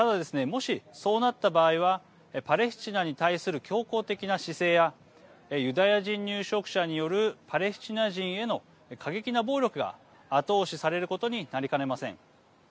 もしそうなった場合はパレスチナに対する強硬的な姿勢やユダヤ人入植者によるパレスチナ人への過激な暴力が後押しされることになりかねません。